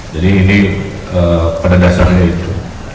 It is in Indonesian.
jadi ini pada dasarnya itu